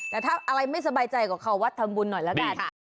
แต่ถ้าอะไรไม่สบายใจก็เข้าวัดทำบุญหน่อยแล้วกัน